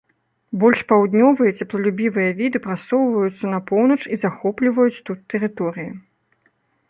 Больш паўднёвыя цёплалюбівыя віды прасоўваюцца на поўнач і захопліваюць тут тэрыторыі.